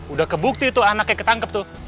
udah kebukti tuh anaknya ketangkep tuh